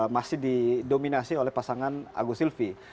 masih didominasi oleh pasangan agus silvi